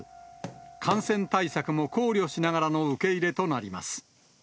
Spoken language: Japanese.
感染対策も考慮しながらの受け入れとなります。